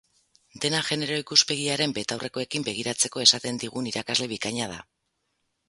Dena genero ikuspegiaren betaurrekoekin begiratzeko esaten digun irakasle bikaina da.